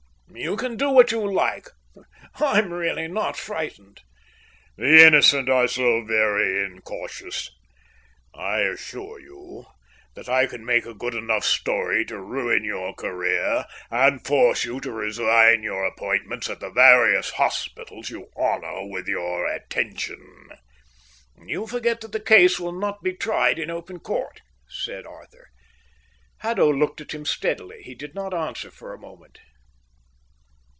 "You can do what you like. I'm really not frightened." "The innocent are so very incautious. I assure you that I can make a good enough story to ruin your career and force you to resign your appointments at the various hospitals you honour with your attention." "You forget that the case will not be tried in open court," said Arthur. Haddo looked at him steadily. He did not answer for a moment.